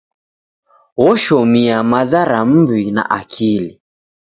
Oshomia maza ra m'wi na akili.